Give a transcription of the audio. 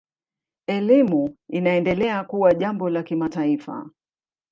Elimu inaendelea kuwa jambo la kimataifa.